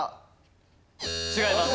違います。